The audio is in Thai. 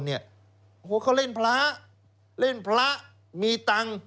เขาเล่นพระเล่นพระมีตังค์